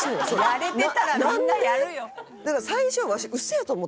やれたらみんなやるよ。